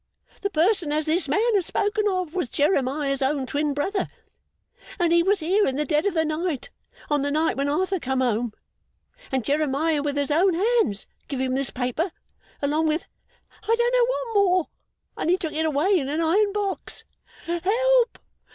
The person as this man has spoken of, was Jeremiah's own twin brother; and he was here in the dead of the night, on the night when Arthur come home, and Jeremiah with his own hands give him this paper, along with I don't know what more, and he took it away in an iron box Help!